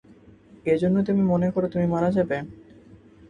এজন্যই তুমি মনে করো তুমি মারা যাবে?